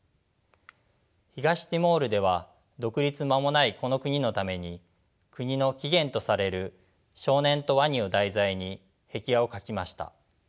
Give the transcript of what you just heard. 東ティモールでは独立間もないこの国のために国の起源とされる「少年とワニ」を題材に壁画を描きました。